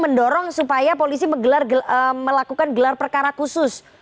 mendorong supaya polisi melakukan gelar perkara khusus